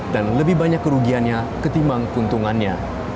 dan lebih banyak kerugiannya ketimbang keuntungannya